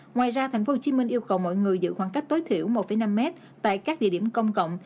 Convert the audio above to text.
ngoài ra tp hcm yêu cầu mọi người giữ khoảng cách tối thiểu một năm m tại các địa điểm công cộng